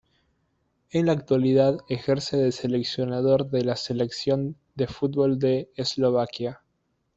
En la actualidad ejerce de seleccionador de la selección de fútbol de Eslovaquia.